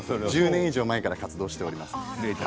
１０年以上前から活動しています。